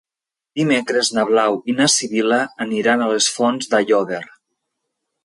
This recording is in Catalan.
Dimecres na Blau i na Sibil·la aniran a les Fonts d'Aiòder.